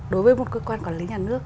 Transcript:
đối với một cơ quan quản lý nhà nước